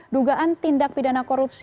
dugaan tindak pidana korupsi